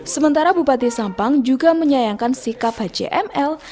sementara bupati sampang juga menyayangkan sikap hcml